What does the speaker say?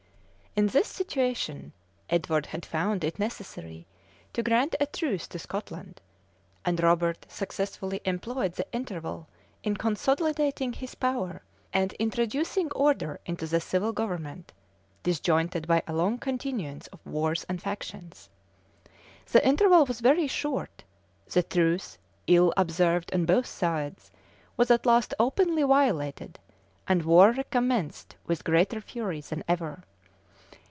In this situation, Edward had found it necessary to grant a truce to Scotland; and Robert successfully employed the interval in consolidating his power, and introducing order into the civil government, disjointed by a long continuance of wars and factions. The interval was very short; the truce, ill observed on both sides, was at last openly violated, and war recommenced with greater fury than ever.